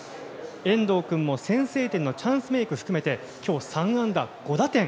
遠藤君も先制点のチャンスメイクを含めて今日、３安打５打点。